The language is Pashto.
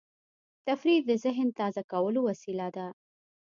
تفریح د ذهن تازه کولو وسیله ده.